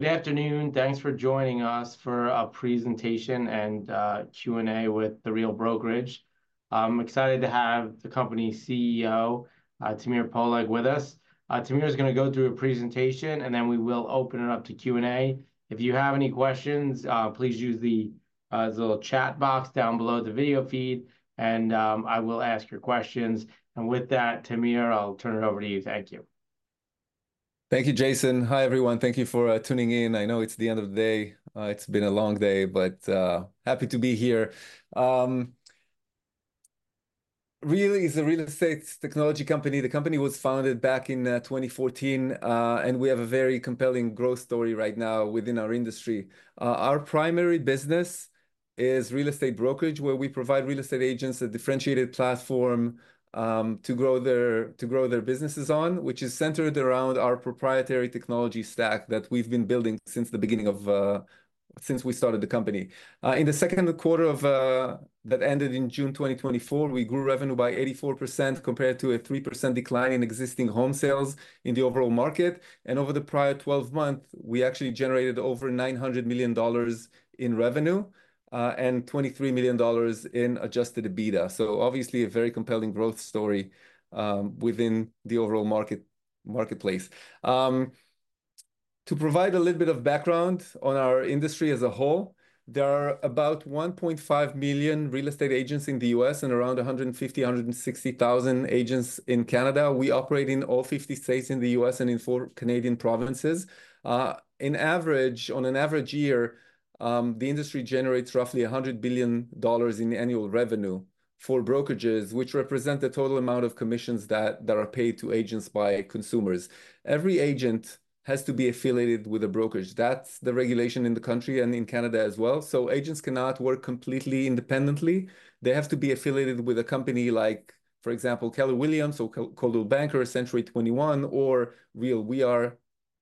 Good afternoon. Thanks for joining us for our presentation and Q&A with the Real Brokerage. I'm excited to have the company's CEO, Tamir Poleg, with us. Tamir is gonna go through a presentation, and then we will open it up to Q&A. If you have any questions, please use the little chat box down below the video feed, and I will ask your questions. And with that, Tamir, I'll turn it over to you. Thank you. Thank you, Jason. Hi, everyone. Thank you for tuning in. I know it's the end of the day. It's been a long day, but happy to be here. Real is a real estate technology company. The company was founded back in 2014, and we have a very compelling growth story right now within our industry. Our primary business is real estate brokerage, where we provide real estate agents a differentiated platform to grow their businesses on, which is centered around our proprietary technology stack that we've been building since we started the company. In the second quarter of that ended in June 2024, we grew revenue by 84%, compared to a 3% decline in existing home sales in the overall market, and over the prior 12 months, we actually generated over $900 million in revenue, and $23 million in Adjusted EBITDA. So obviously, a very compelling growth story, within the overall market, marketplace. To provide a little bit of background on our industry as a whole, there are about 1.5 million real estate agents in the U.S. and around 150,000-160,000 agents in Canada. We operate in all 50 states in the U.S. and in 4 Canadian provinces. On average, in an average year, the industry generates roughly $100 billion in annual revenue for brokerages, which represent the total amount of commissions that are paid to agents by consumers. Every agent has to be affiliated with a brokerage. That's the regulation in the country and in Canada as well. So agents cannot work completely independently. They have to be affiliated with a company like, for example, Keller Williams or Coldwell Banker, Century 21 or Real. We are,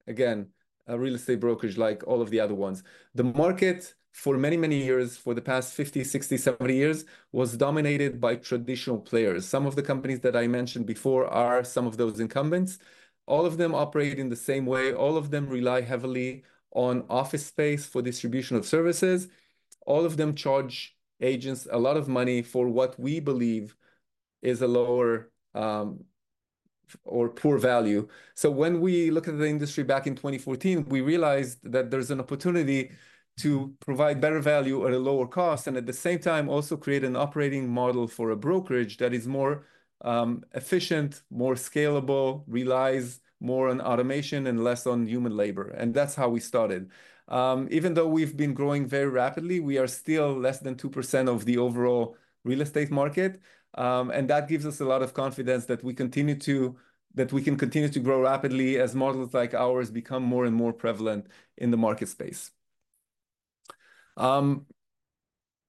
again, a real estate brokerage like all of the other ones. The market for many, many years, for the past 50, 60, 70 years, was dominated by traditional players. Some of the companies that I mentioned before are some of those incumbents. All of them operate in the same way. All of them rely heavily on office space for distribution of services. All of them charge agents a lot of money for what we believe is a lower, or poor value. So when we looked at the industry back in 2014, we realized that there's an opportunity to provide better value at a lower cost and, at the same time, also create an operating model for a brokerage that is more efficient, more scalable, relies more on automation and less on human labor, and that's how we started. Even though we've been growing very rapidly, we are still less than 2% of the overall real estate market, and that gives us a lot of confidence that we continue to, that we can continue to grow rapidly as models like ours become more and more prevalent in the market space.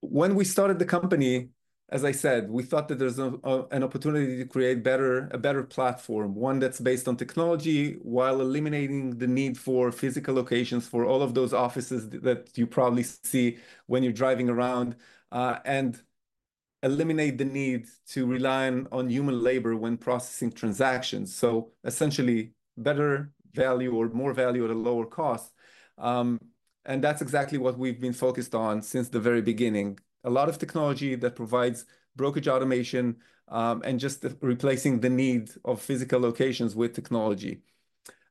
When we started the company, as I said, we thought that there's an opportunity to create a better platform, one that's based on technology, while eliminating the need for physical locations, for all of those offices that you probably see when you're driving around, and eliminate the need to rely on human labor when processing transactions, so essentially, better value or more value at a lower cost. And that's exactly what we've been focused on since the very beginning, a lot of technology that provides brokerage automation, and just replacing the need of physical locations with technology.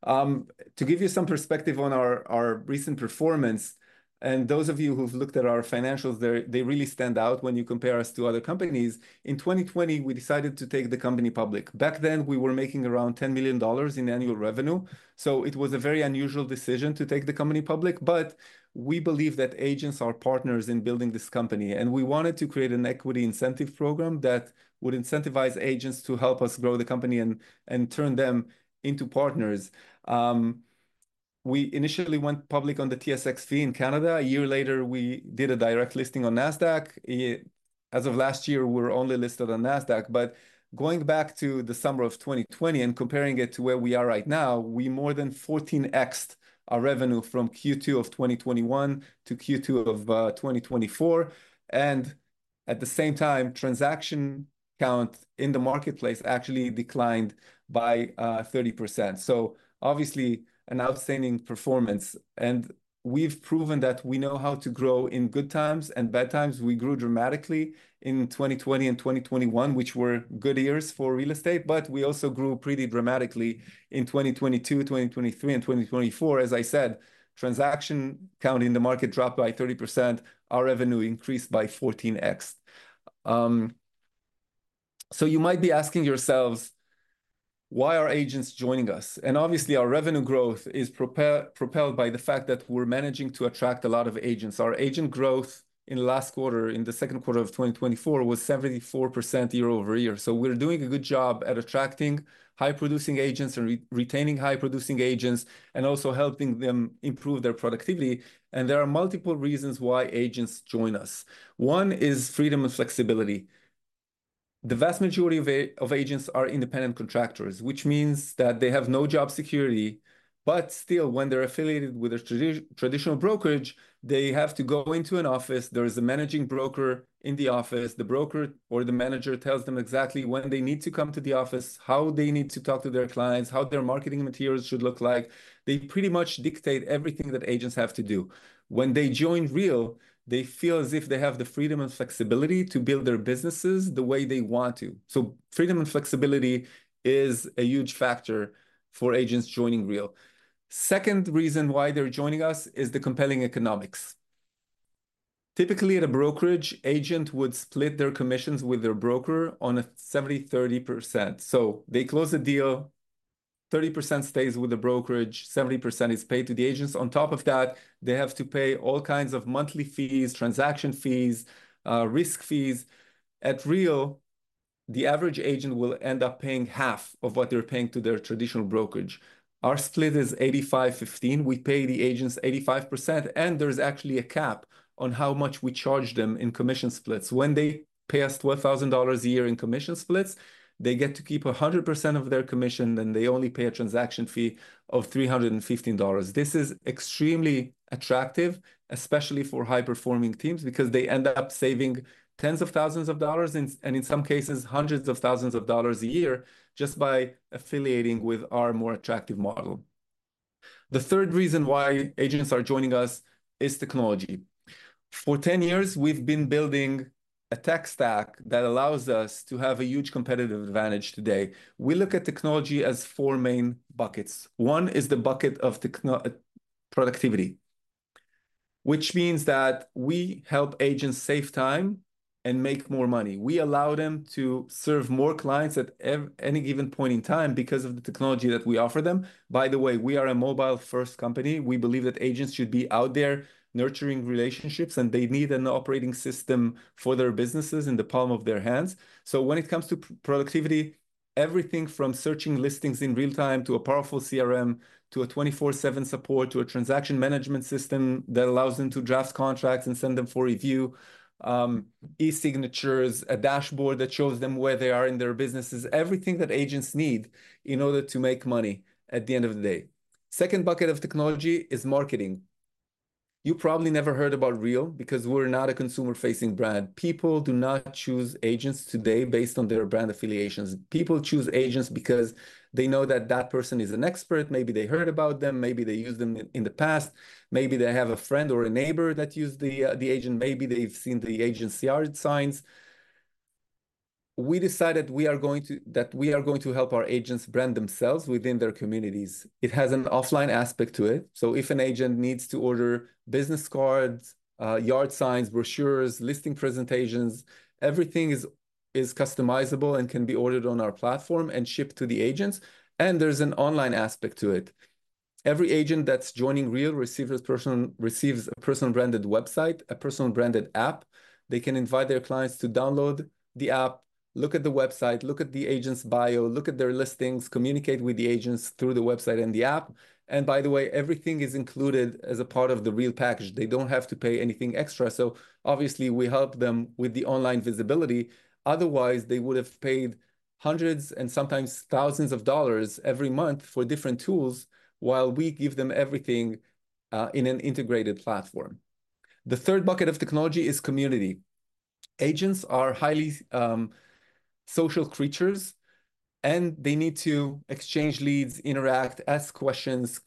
To give you some perspective on our recent performance, and those of you who've looked at our financials, they really stand out when you compare us to other companies. In 2020, we decided to take the company public. Back then, we were making around $10 million in annual revenue, so it was a very unusual decision to take the company public. But we believe that agents are partners in building this company, and we wanted to create an equity incentive program that would incentivize agents to help us grow the company and turn them into partners. We initially went public on the TSXV in Canada. A year later, we did a direct listing on Nasdaq. As of last year, we're only listed on Nasdaq, but going back to the summer of 2020 and comparing it to where we are right now, we more than 14x'd our revenue from Q2 of 2021 to Q2 of 2024, and at the same time, transaction count in the marketplace actually declined by 30%, so obviously, an outstanding performance. And we've proven that we know how to grow in good times and bad times. We grew dramatically in 2020 and 2021, which were good years for real estate, but we also grew pretty dramatically in 2022, 2023, and 2024. As I said, transaction count in the market dropped by 30%. Our revenue increased by 14x. So you might be asking yourselves, "Why are agents joining us?" And obviously, our revenue growth is propelled by the fact that we're managing to attract a lot of agents. Our agent growth in last quarter, in the second quarter of 2024, was 74% year-over-year. So we're doing a good job at attracting high-producing agents and retaining high-producing agents and also helping them improve their productivity, and there are multiple reasons why agents join us. One is freedom and flexibility. The vast majority of agents are independent contractors, which means that they have no job security, but still, when they're affiliated with a traditional brokerage, they have to go into an office. There is a managing broker in the office. The broker or the manager tells them exactly when they need to come to the office, how they need to talk to their clients, how their marketing materials should look like. They pretty much dictate everything that agents have to do. When they join Real, they feel as if they have the freedom and flexibility to build their businesses the way they want to. So freedom and flexibility is a huge factor for agents joining Real. Second reason why they're joining us is the compelling economics. Typically, at a brokerage, agent would split their commissions with their broker on a 70/30%. So they close a deal, 30% stays with the brokerage, 70% is paid to the agents. On top of that, they have to pay all kinds of monthly fees, transaction fees, risk fees. At Real, the average agent will end up paying half of what they're paying to their traditional brokerage. Our split is 85/15. We pay the agents 85%, and there's actually a cap on how much we charge them in commission splits. When they pay us $12,000 a year in commission splits, they get to keep 100% of their commission, and they only pay a transaction fee of $315. This is extremely attractive, especially for high-performing teams, because they end up saving tens of thousands of dollars, and in some cases, hundreds of thousands of dollars a year just by affiliating with our more attractive model. The third reason why agents are joining us is technology. For 10 years, we've been building a tech stack that allows us to have a huge competitive advantage today. We look at technology as 4 main buckets. One is the bucket of productivity, which means that we help agents save time and make more money. We allow them to serve more clients at any given point in time because of the technology that we offer them. By the way, we are a mobile-first company. We believe that agents should be out there nurturing relationships, and they need an operating system for their businesses in the palm of their hands. So when it comes to productivity, everything from searching listings in real time, to a powerful CRM, to a 24/7 support, to a transaction management system that allows them to draft contracts and send them for review, e-signatures, a dashboard that shows them where they are in their businesses, everything that agents need in order to make money at the end of the day. Second bucket of technology is marketing. You probably never heard about Real because we're not a consumer-facing brand. People do not choose agents today based on their brand affiliations. People choose agents because they know that that person is an expert. Maybe they heard about them, maybe they used them in the past. Maybe they have a friend or a neighbor that used the agent. Maybe they've seen the agent's yard signs. We decided that we are going to help our agents brand themselves within their communities. It has an offline aspect to it. So if an agent needs to order business cards, yard signs, brochures, listing presentations, everything is customizable and can be ordered on our platform and shipped to the agents, and there's an online aspect to it. Every agent that's joining Real receives a personal branded website, a personal branded app. They can invite their clients to download the app, look at the website, look at the agent's bio, look at their listings, communicate with the agents through the website and the app, and by the way, everything is included as a part of the Real package. They don't have to pay anything extra. So obviously, we help them with the online visibility. Otherwise, they would have paid hundreds and sometimes thousands of dollars every month for different tools, while we give them everything in an integrated platform. The third bucket of technology is community. Agents are highly social creatures, and they need to exchange leads, interact, ask questions,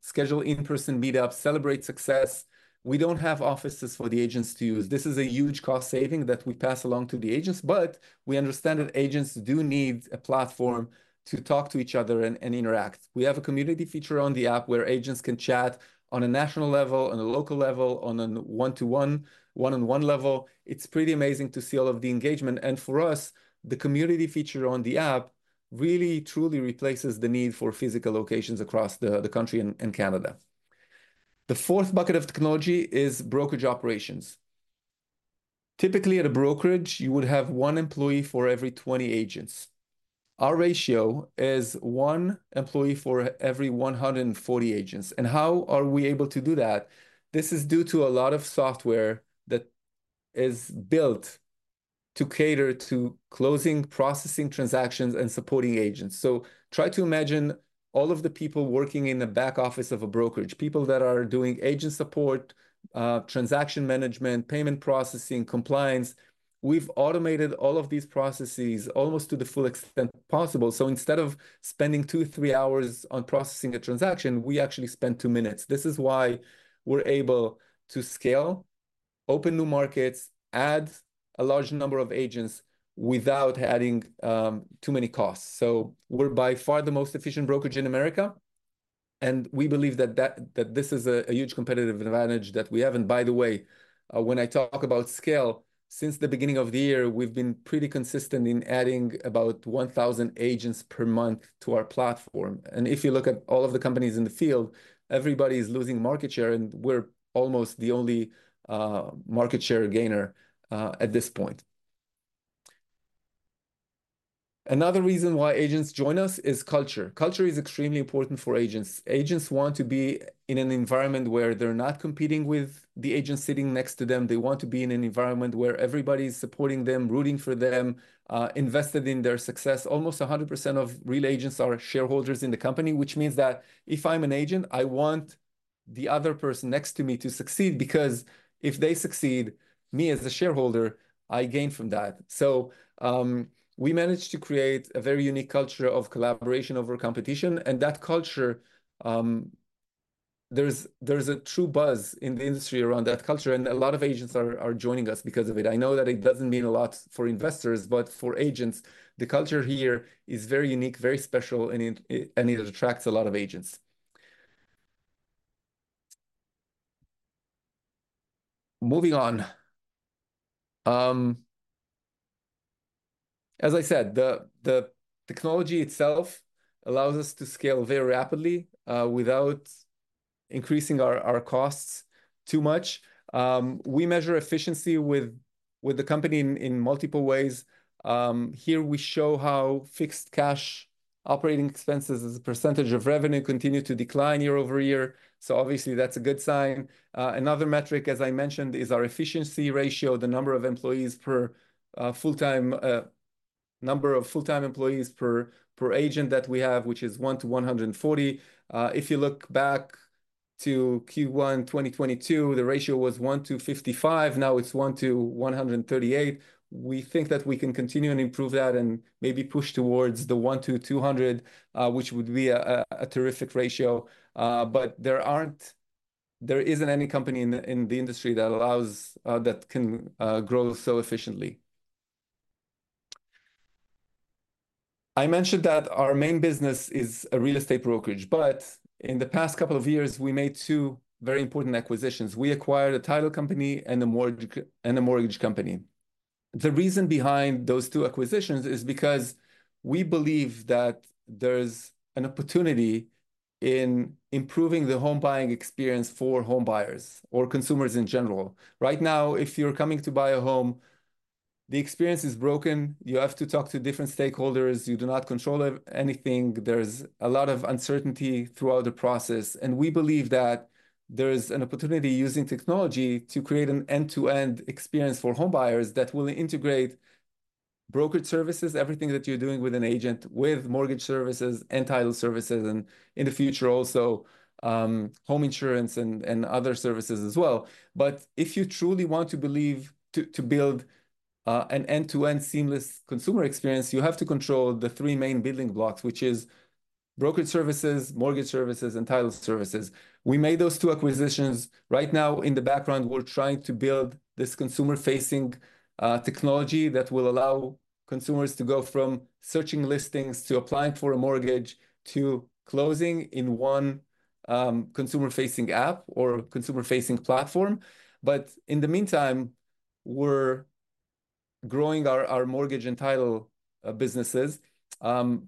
schedule in-person meetups, celebrate success. We don't have offices for the agents to use. This is a huge cost saving that we pass along to the agents, but we understand that agents do need a platform to talk to each other and interact. We have a community feature on the app where agents can chat on a national level, on a local level, on a one-to-one, one-on-one level. It's pretty amazing to see all of the engagement, and for us, the community feature on the app really truly replaces the need for physical locations across the country and Canada. The fourth bucket of technology is brokerage operations. Typically, at a brokerage, you would have 1 employee for every 20 agents. Our ratio is 1 employee for every 140 agents. How are we able to do that? This is due to a lot of software that is built to cater to closing, processing transactions, and supporting agents. So try to imagine all of the people working in the back office of a brokerage, people that are doing agent support, transaction management, payment processing, compliance. We've automated all of these processes almost to the full extent possible. So instead of spending 2-3 hours on processing a transaction, we actually spend 2 minutes. This is why we're able to scale, open new markets, add a large number of agents without adding too many costs. So we're by far the most efficient brokerage in America, and we believe that, that, that this is a, a huge competitive advantage that we have. And by the way, when I talk about scale, since the beginning of the year, we've been pretty consistent in adding about 1000 agents per month to our platform. And if you look at all of the companies in the field, everybody is losing market share, and we're almost the only market share gainer at this point. Another reason why agents join us is culture. Culture is extremely important for agents. Agents want to be in an environment where they're not competing with the agent sitting next to them. They want to be in an environment where everybody is supporting them, rooting for them, invested in their success. Almost 100% of real agents are shareholders in the company, which means that if I'm an agent, I want the other person next to me to succeed, because if they succeed, me, as a shareholder, I gain from that. So, we managed to create a very unique culture of collaboration over competition, and that culture, there's a true buzz in the industry around that culture, and a lot of agents are joining us because of it. I know that it doesn't mean a lot for investors, but for agents, the culture here is very unique, very special, and it attracts a lot of agents. Moving on. As I said, the technology itself allows us to scale very rapidly, without increasing our costs too much. We measure efficiency with the company in multiple ways. Here we show how fixed cash operating expenses as a percentage of revenue continue to decline year-over-year, so obviously, that's a good sign. Another metric, as I mentioned, is our efficiency ratio, the number of full-time employees per agent that we have, which is 1 to 140. If you look back to Q1 2022, the ratio was 1 to 55, now it's 1 to 138. We think that we can continue and improve that and maybe push towards the 1 to 200, which would be a terrific ratio. But there aren't-- there isn't any company in the, in the industry that allows, that can, grow so efficiently. I mentioned that our main business is a real estate brokerage, but in the past couple of years, we made two very important acquisitions. We acquired a title company and a mortgage, and a mortgage company. The reason behind those two acquisitions is because we believe that there's an opportunity in improving the home buying experience for home buyers or consumers in general. Right now, if you're coming to buy a home, the experience is broken. You have to talk to different stakeholders. You do not control e- anything. There's a lot of uncertainty throughout the process, and we believe that there is an opportunity using technology to create an end-to-end experience for home buyers that will integrate brokerage services, everything that you're doing with an agent, with mortgage services and title services, and in the future also, home insurance and other services as well. But if you truly want to build an end-to-end seamless consumer experience, you have to control the three main building blocks, which is brokerage services, mortgage services, and title services. We made those two acquisitions. Right now, in the background, we're trying to build this consumer-facing technology that will allow consumers to go from searching listings, to applying for a mortgage, to closing in one consumer-facing app or consumer-facing platform. But in the meantime, we're growing our mortgage and title businesses,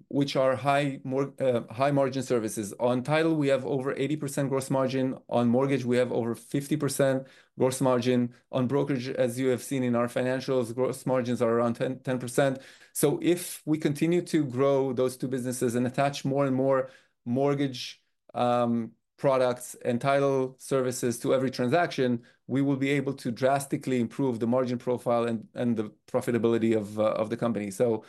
which are high-margin services. On title, we have over 80% gross margin. On mortgage, we have over 50% gross margin. On brokerage, as you have seen in our financials, gross margins are around 10, 10%. So if we continue to grow those two businesses and attach more and more mortgage products and title services to every transaction, we will be able to drastically improve the margin profile and the profitability of the company. So,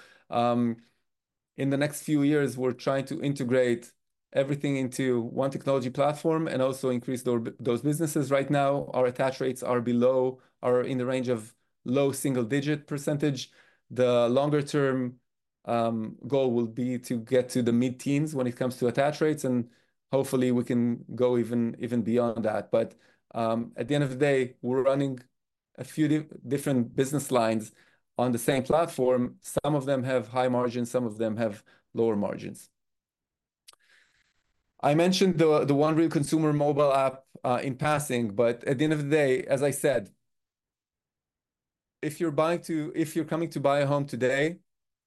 in the next few years, we're trying to integrate everything into one technology platform and also increase those businesses. Right now, our attach rates are in the range of low single-digit %. The longer term goal will be to get to the mid-teens when it comes to attach rates, and hopefully, we can go even beyond that. But at the end of the day, we're running a few different business lines on the same platform. Some of them have high margins, some of them have lower margins. I mentioned the One Real consumer mobile app in passing, but at the end of the day, as I said, if you're coming to buy a home today,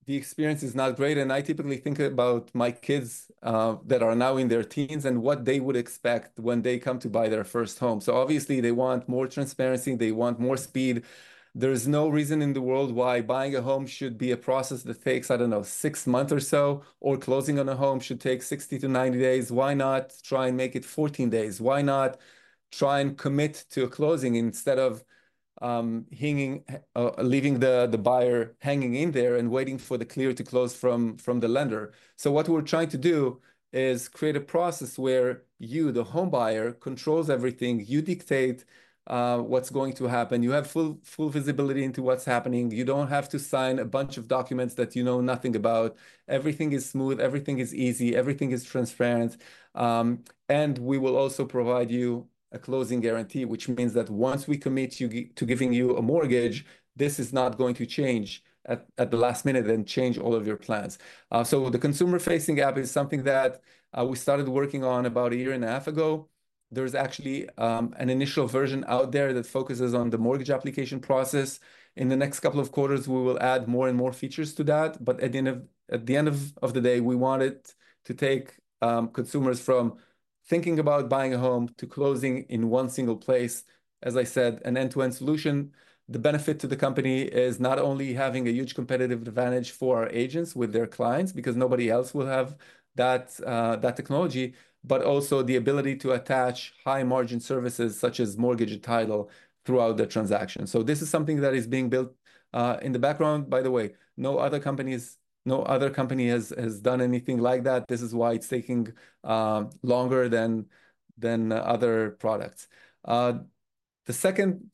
the experience is not great, and I typically think about my kids that are now in their teens and what they would expect when they come to buy their first home. So obviously, they want more transparency, they want more speed. There is no reason in the world why buying a home should be a process that takes, I don't know, 6 months or so, or closing on a home should take 60-90 days. Why not try and make it 14 days? Why not try and commit to a closing instead of hanging, leaving the buyer hanging in there and waiting for the clear to close from the lender? So what we're trying to do is create a process where you, the home buyer, controls everything. You dictate what's going to happen. You have full, full visibility into what's happening. You don't have to sign a bunch of documents that you know nothing about. Everything is smooth, everything is easy, everything is transparent. And we will also provide you a closing guarantee, which means that once we commit you to giving you a mortgage, this is not going to change at the last minute and change all of your plans. So the consumer-facing app is something that we started working on about a year and a half ago. There is actually an initial version out there that focuses on the mortgage application process. In the next couple of quarters, we will add more and more features to that, but at the end of the day, we want it to take consumers from thinking about buying a home to closing in one single place. As I said, an end-to-end solution, the benefit to the company is not only having a huge competitive advantage for our agents with their clients, because nobody else will have that, that technology, but also the ability to attach high-margin services, such as mortgage and title, throughout the transaction. So this is something that is being built, in the background. By the way, no other companies, no other company has, has done anything like that. This is why it's taking, longer than, than other products. The second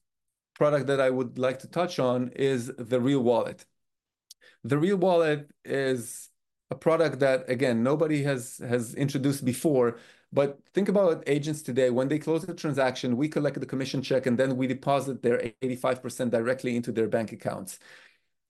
product that I would like to touch on is the Real Wallet. The Real Wallet is a product that, again, nobody has, has introduced before, but think about agents today. When they close a transaction, we collect the commission check, and then we deposit their 85% directly into their bank accounts.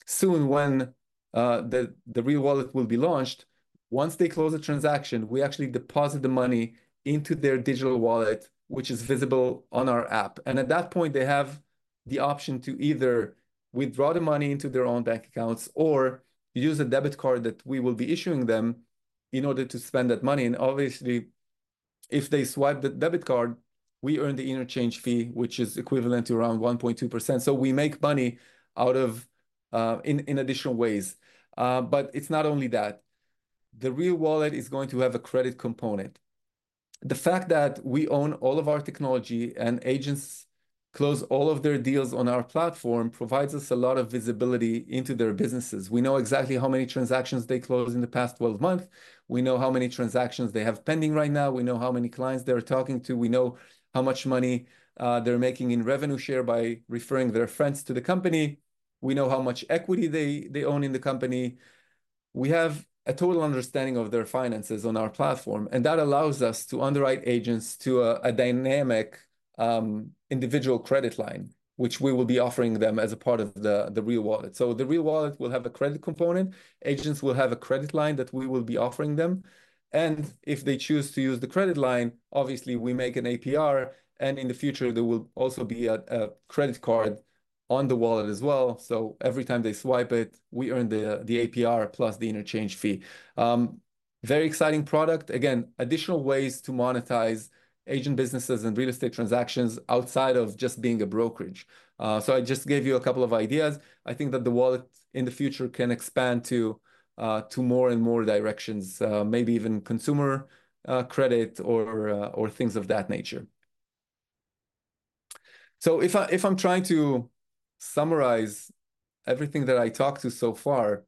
Soon, when, the, the Real Wallet will be launched, once they close a transaction, we actually deposit the money into their digital wallet, which is visible on our app, and at that point, they have the option to either withdraw the money into their own bank accounts or use a debit card that we will be issuing them in order to spend that money. And obviously, if they swipe the debit card, we earn the interchange fee, which is equivalent to around 1.2%. So we make money out of, in, in additional ways. But it's not only that. The Real Wallet is going to have a credit component. The fact that we own all of our technology and agents close all of their deals on our platform provides us a lot of visibility into their businesses. We know exactly how many transactions they closed in the past 12 months. We know how many transactions they have pending right now. We know how many clients they are talking to. We know how much money they're making in revenue share by referring their friends to the company. We know how much equity they, they own in the company. We have a total understanding of their finances on our platform, and that allows us to underwrite agents to a dynamic individual credit line, which we will be offering them as a part of the Real Wallet. So the Real Wallet will have a credit component. Agents will have a credit line that we will be offering them, and if they choose to use the credit line, obviously, we make an APR, and in the future, there will also be a credit card on the wallet as well. So every time they swipe it, we earn the APR plus the interchange fee. Very exciting product. Again, additional ways to monetize agent businesses and real estate transactions outside of just being a brokerage. So I just gave you a couple of ideas. I think that the wallet in the future can expand to more and more directions, maybe even consumer credit or things of that nature. So if I'm trying to summarize everything that I talked to so far,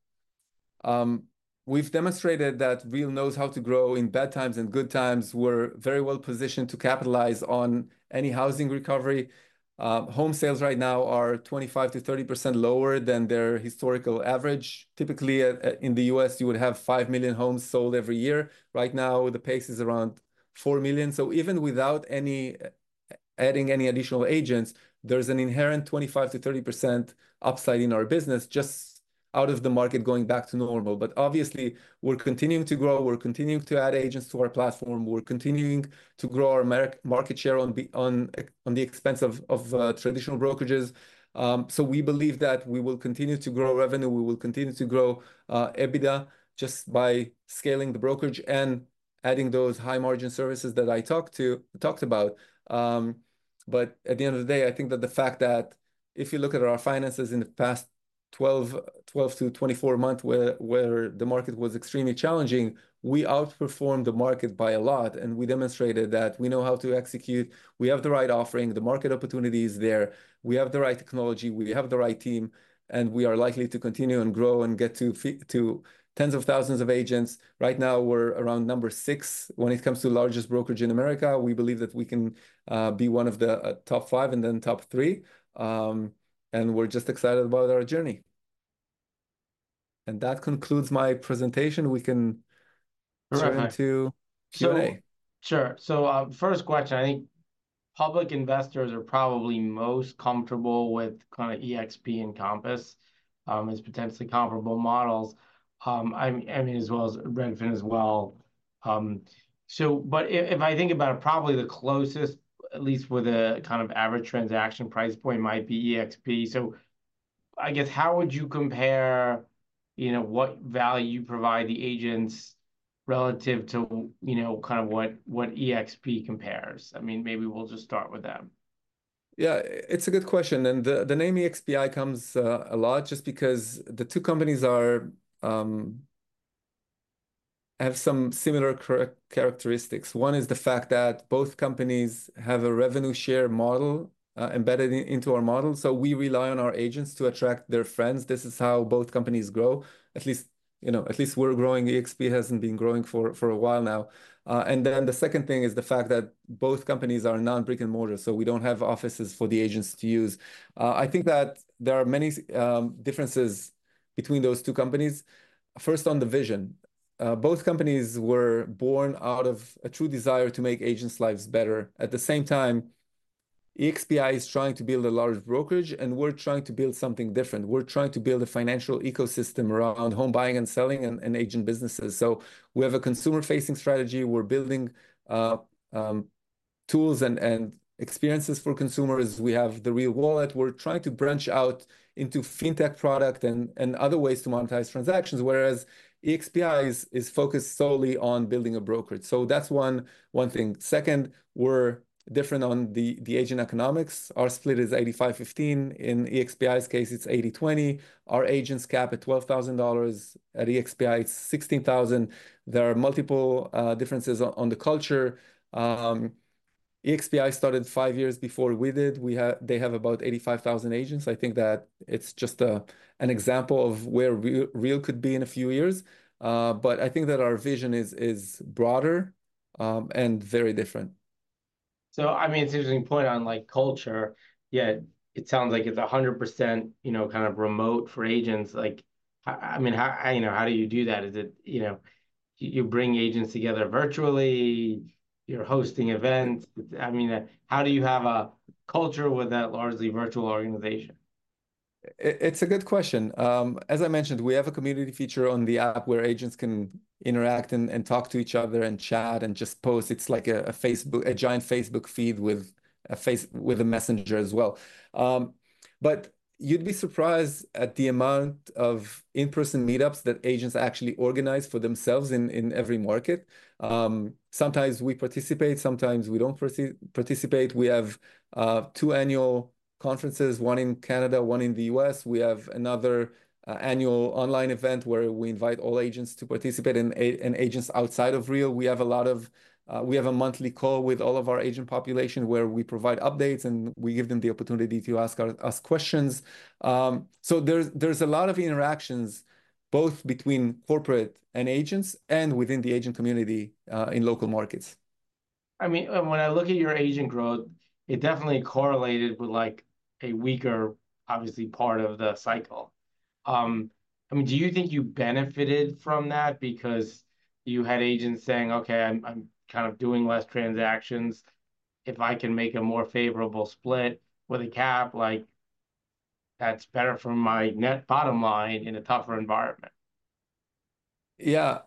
we've demonstrated that Real knows how to grow in bad times and good times. We're very well positioned to capitalize on any housing recovery. Home sales right now are 25%-30% lower than their historical average. Typically, in the U.S., you would have 5 million homes sold every year. Right now, the pace is around 4 million. So even without adding any additional agents, there's an inherent 25%-30% upside in our business, just out of the market going back to normal. But obviously, we're continuing to grow. We're continuing to add agents to our platform. We're continuing to grow our market share at the expense of traditional brokerages. So we believe that we will continue to grow revenue. We will continue to grow EBITDA just by scaling the brokerage and adding those high-margin services that I talked about. But at the end of the day, I think that the fact that if you look at our finances in the past 12 to 24 months, where the market was extremely challenging, we outperformed the market by a lot, and we demonstrated that we know how to execute. We have the right offering. The market opportunity is there. We have the right technology. We have the right team, and we are likely to continue and grow and get to tens of thousands of agents. Right now, we're around number six when it comes to largest brokerage in America. We believe that we can be one of the top five and then top three. And we're just excited about our journey. And that concludes my presentation. We can- All right. Turn to Q&A. So... Sure. First question, I think public investors are probably most comfortable with kind of eXp and Compass as potentially comparable models. I mean, as well as Redfin as well. But if I think about it, probably the closest, at least with the kind of average transaction price point, might be eXp. So I guess, how would you compare, you know, what value you provide the agents relative to, you know, kind of what eXp compares? I mean, maybe we'll just start with them. Yeah, it's a good question, and the name eXp comes a lot just because the two companies have some similar characteristics. One is the fact that both companies have a revenue share model embedded into our model, so we rely on our agents to attract their friends. This is how both companies grow. At least, you know, at least we're growing. eXp hasn't been growing for a while now. And then the second thing is the fact that both companies are non-brick-and-mortar, so we don't have offices for the agents to use. I think that there are many differences between those two companies. First, on the vision, both companies were born out of a true desire to make agents' lives better. At the same time, eXp is trying to build a large brokerage, and we're trying to build something different. We're trying to build a financial ecosystem around home buying and selling and agent businesses. So we have a consumer-facing strategy. We're building tools and experiences for consumers. We have the Real Wallet. We're trying to branch out into fintech product and other ways to monetize transactions, whereas eXp is focused solely on building a brokerage. So that's one thing. Second, we're different on the agent economics. Our split is 85/15. In eXp's case, it's 80/20. Our agents cap at $12,000. At eXp, it's $16,000. There are multiple differences on the culture. eXp started five years before we did. They have about 85,000 agents. I think that it's just an example of where Real could be in a few years. But I think that our vision is broader, and very different. So, I mean, it's an interesting point on, like, culture, yet it sounds like it's 100%, you know, kind of remote for agents. Like, I mean, how, you know, how do you do that? Is it, you know, you bring agents together virtually? You're hosting events? I mean, how do you have a culture with that largely virtual organization? It's a good question. As I mentioned, we have a community feature on the app where agents can interact and talk to each other and chat and just post. It's like a Facebook, a giant Facebook feed with a messenger as well. But you'd be surprised at the amount of in-person meetups that agents actually organize for themselves in every market. Sometimes we participate. Sometimes we don't participate. We have two annual conferences, one in Canada, one in the U.S. We have another annual online event where we invite all agents to participate, and agents outside of Real. We have a lot of... We have a monthly call with all of our agent population, where we provide updates, and we give them the opportunity to ask questions. So there's a lot of interactions, both between corporate and agents and within the agent community, in local markets. I mean, when I look at your agent growth, it definitely correlated with, like, a weaker, obviously, part of the cycle. I mean, do you think you benefited from that because you had agents saying, "Okay, I'm kind of doing less transactions. If I can make a more favorable split with a cap, like, that's better for my net bottom line in a tougher environment? Yeah.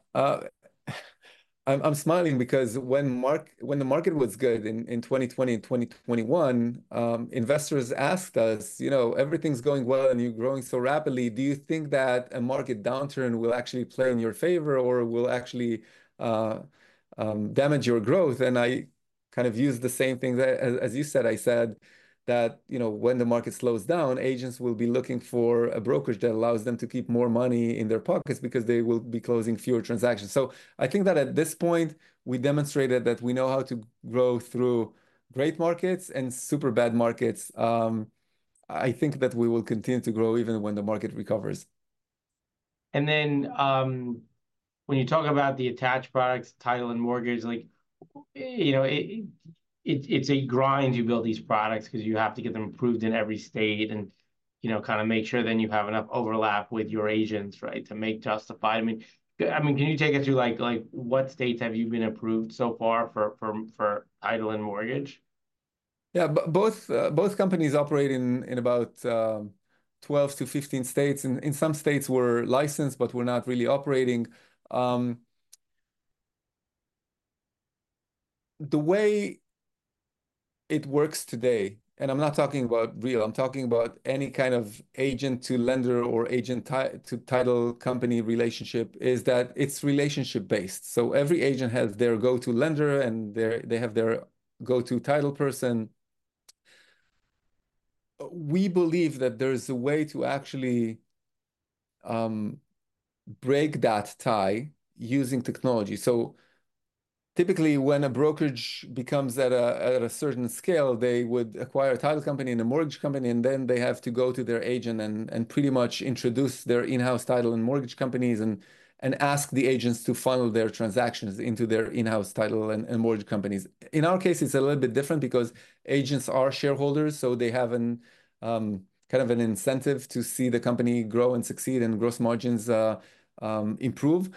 I'm smiling because when the market was good in 2020 and 2021, investors asked us, "You know, everything's going well, and you're growing so rapidly. Do you think that a market downturn will actually play in your favor or will actually damage your growth?" And I kind of used the same thing that... As you said, I said that, you know, when the market slows down, agents will be looking for a brokerage that allows them to keep more money in their pockets because they will be closing fewer transactions. So I think that at this point, we demonstrated that we know how to grow through great markets and super bad markets. I think that we will continue to grow even when the market recovers. Then, when you talk about the attached products, title and mortgage, like, you know, it, it's a grind, you build these products 'cause you have to get them approved in every state, and, you know, kind of make sure then you have enough overlap with your agents, right, to make justified. I mean, can you take us through, like, what states have you been approved so far for title and mortgage? Yeah, both companies operate in about 12-15 states. In some states, we're licensed, but we're not really operating. The way it works today, and I'm not talking about Real, I'm talking about any kind of agent to lender or agent to title company relationship, is that it's relationship based. So every agent has their go-to lender, and they have their go-to title person. We believe that there's a way to actually break that tie using technology. So typically, when a brokerage becomes at a certain scale, they would acquire a title company and a mortgage company, and then they have to go to their agent and pretty much introduce their in-house title and mortgage companies and ask the agents to funnel their transactions into their in-house title and mortgage companies. In our case, it's a little bit different because agents are shareholders, so they have kind of an incentive to see the company grow and succeed and gross margins improve.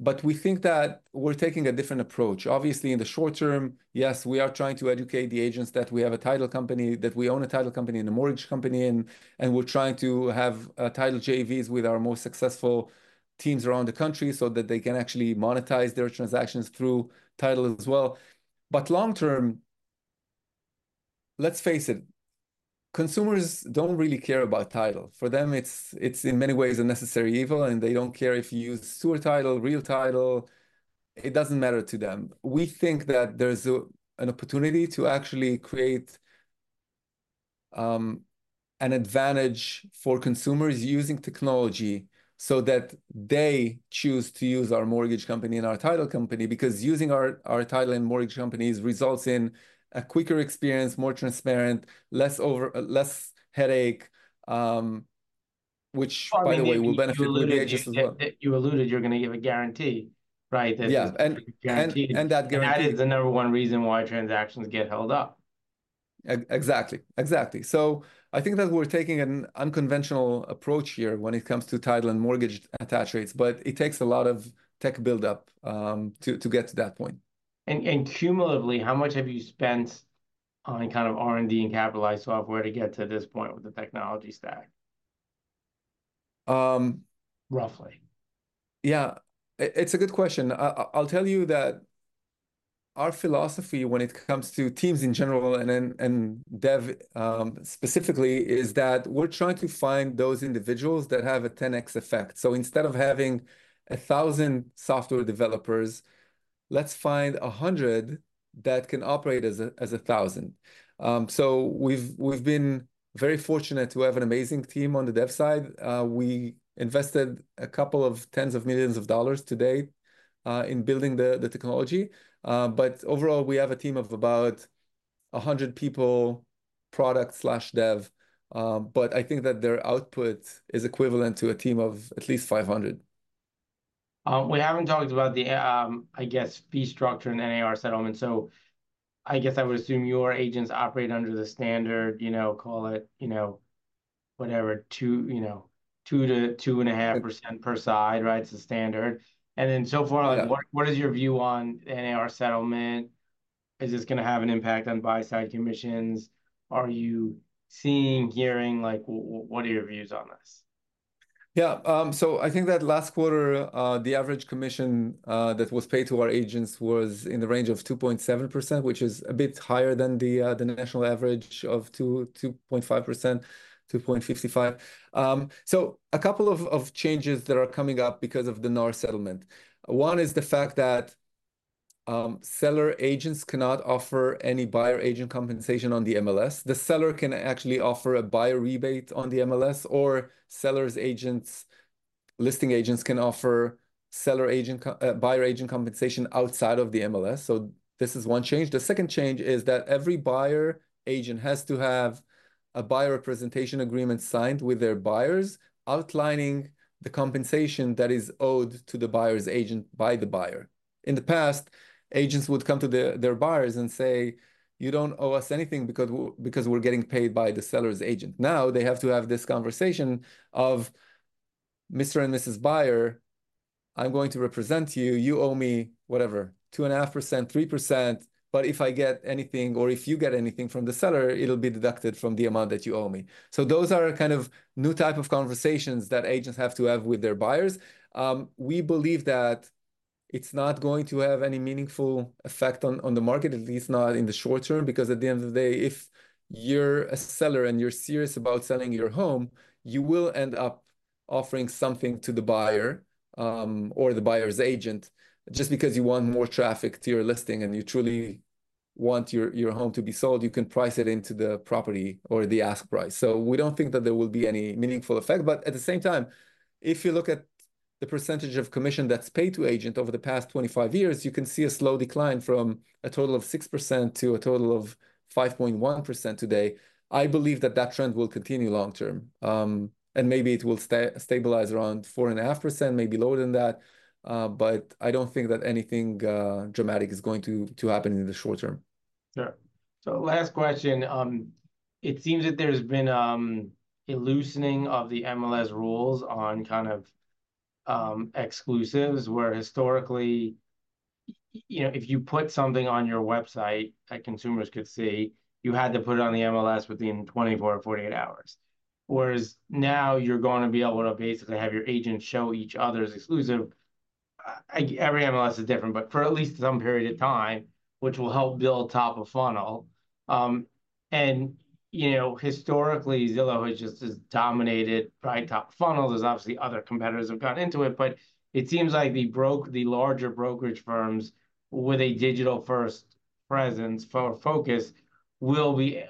But we think that we're taking a different approach. Obviously, in the short term, yes, we are trying to educate the agents that we have a title company, that we own a title company and a mortgage company, and we're trying to have title JVs with our most successful teams around the country so that they can actually monetize their transactions through title as well. But long term, let's face it, consumers don't really care about title. For them, it's in many ways a necessary evil, and they don't care if you use your title, Real Title. It doesn't matter to them. We think that there's an opportunity to actually create an advantage for consumers using technology so that they choose to use our mortgage company and our title company. Because using our, our title and mortgage companies results in a quicker experience, more transparent, less overhead, less headache, which, by the way, will benefit the agents as well. You alluded, you're gonna give a guarantee, right? Yeah. That's- And, and-... guaranteed... and that guarantee- That is the number one reason why transactions get held up. Exactly, exactly. So I think that we're taking an unconventional approach here when it comes to title and mortgage attach rates, but it takes a lot of tech build-up to get to that point. Cumulatively, how much have you spent on kind of R&D and capitalized software to get to this point with the technology stack?... roughly. Yeah, it's a good question. I'll tell you that our philosophy when it comes to teams in general, and then dev specifically, is that we're trying to find those individuals that have a 10X effect. So instead of having 1,000 software developers, let's find 100 that can operate as 1,000. So we've been very fortunate to have an amazing team on the dev side. We invested $20-$30 million to date in building the technology. But overall, we have a team of about 100 people, product/dev, but I think that their output is equivalent to a team of at least 500. We haven't talked about the, I guess, fee structure in NAR settlement. So I guess I would assume your agents operate under the standard, you know, call it, you know, whatever, 2, you know, 2.5% per side, right? It's the standard. And then so far, like- Yeah... what is your view on NAR settlement? Is this gonna have an impact on buy-side commissions? Are you seeing, hearing, like, what are your views on this? Yeah. So I think that last quarter, the average commission that was paid to our agents was in the range of 2.7%, which is a bit higher than the national average of 2.5%-2.55%. So a couple of changes that are coming up because of the NAR settlement. One is the fact that seller agents cannot offer any buyer agent compensation on the MLS. The seller can actually offer a buyer rebate on the MLS, or seller's agents, listing agents can offer buyer agent compensation outside of the MLS. So this is one change. The second change is that every buyer agent has to have a buyer representation agreement signed with their buyers, outlining the compensation that is owed to the buyer's agent by the buyer. In the past, agents would come to their buyers and say, "You don't owe us anything, because we're getting paid by the seller's agent." Now they have to have this conversation of, "Mr. and Mrs. Buyer, I'm going to represent you. You owe me, whatever, 2.5%, 3%, but if I get anything or if you get anything from the seller, it'll be deducted from the amount that you owe me." So those are kind of new type of conversations that agents have to have with their buyers. We believe that it's not going to have any meaningful effect on, on the market, at least not in the short term, because at the end of the day, if you're a seller and you're serious about selling your home, you will end up offering something to the buyer, or the buyer's agent, just because you want more traffic to your listing and you truly want your, your home to be sold. You can price it into the property or the ask price. So we don't think that there will be any meaningful effect. But at the same time, if you look at the percentage of commission that's paid to agent over the past 25 years, you can see a slow decline from a total of 6% to a total of 5.1% today. I believe that that trend will continue long term. And maybe it will stabilize around 4.5%, maybe lower than that, but I don't think that anything dramatic is going to happen in the short term. Sure. So last question. It seems that there's been a loosening of the MLS rules on kind of exclusives, where historically, you know, if you put something on your website that consumers could see, you had to put it on the MLS within 24 to 48 hours. Whereas now you're going to be able to basically have your agents show each other's exclusive, every MLS is different, but for at least some period of time, which will help build top of funnel. And, you know, historically, Zillow has just as dominated by top of funnel as obviously other competitors have got into it, but it seems like the larger brokerage firms with a digital-first presence, focus, will be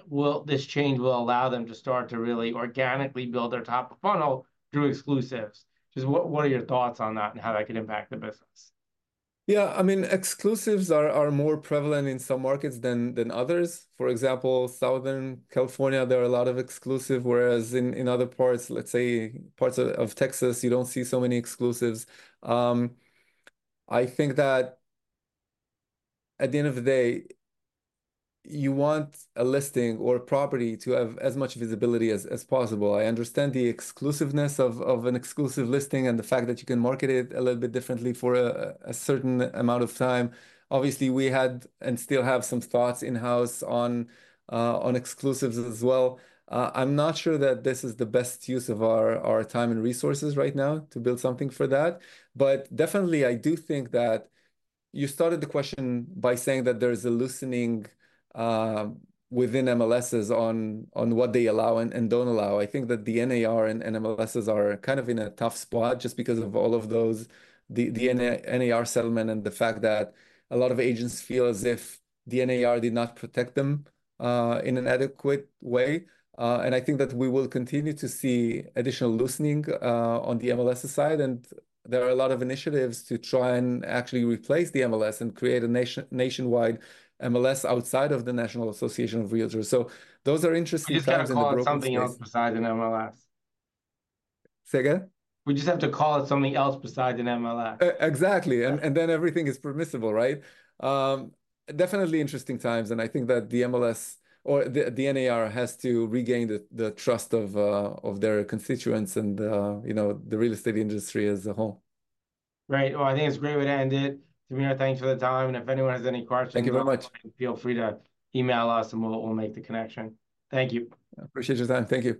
this change will allow them to start to really organically build their top of funnel through exclusives. Just what are your thoughts on that and how that could impact the business? Yeah, I mean, exclusives are more prevalent in some markets than others. For example, Southern California, there are a lot of exclusive, whereas in other parts, let's say parts of Texas, you don't see so many exclusives. I think that at the end of the day, you want a listing or a property to have as much visibility as possible. I understand the exclusiveness of an exclusive listing and the fact that you can market it a little bit differently for a certain amount of time. Obviously, we had and still have some thoughts in-house on exclusives as well. I'm not sure that this is the best use of our time and resources right now to build something for that, but definitely, I do think that you started the question by saying that there is a loosening within MLSs on what they allow and don't allow. I think that the NAR and MLSs are kind of in a tough spot, just because of all of those, the NAR settlement and the fact that a lot of agents feel as if the NAR did not protect them in an adequate way. I think that we will continue to see additional loosening on the MLS's side, and there are a lot of initiatives to try and actually replace the MLS and create a nationwide MLS outside of the National Association of Realtors. Those are interesting times in the brokerage space. We just have to call it something else besides an MLS. Say again? We just have to call it something else besides an MLS. E- exactly. Yeah. And then everything is permissible, right? Definitely interesting times, and I think that the MLS or the NAR has to regain the trust of their constituents and, you know, the real estate industry as a whole. Right. Well, I think it's a great way to end it. Tamir, thanks for the time, and if anyone has any questions- Thank you very much.... feel free to email us, and we'll make the connection. Thank you. I appreciate your time. Thank you.